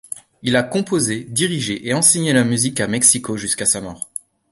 Il a composé, dirigé, et enseigné la musique à Mexico jusqu'à sa mort.